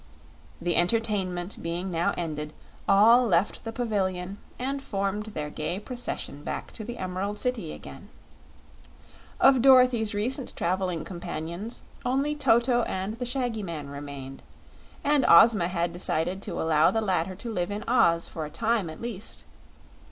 The entertainment being now ended, all left the pavilion and formed their gay procession back to the Emerald City again. Of Dorothy's recent traveling companions only Toto and the shaggy man remained, and Ozma had decided to allow the latter to live in Oz for a time, at least.